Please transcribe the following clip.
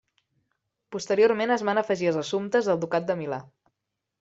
Posteriorment es van afegir els assumptes del Ducat de Milà.